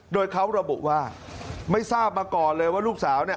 โดยเขาระบุว่าไม่ทราบมาก่อนเลยว่าลูกสาวเนี่ย